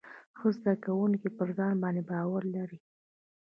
ښه زده کوونکي پر ځان باندې باور لري.